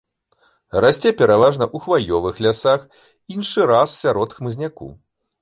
Расце пераважна ў хваёвых лясах, іншы раз сярод хмызняку.